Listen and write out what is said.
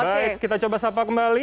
baik kita coba sapa kembali